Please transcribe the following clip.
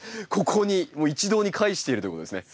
ここにもう一堂に会しているということですね。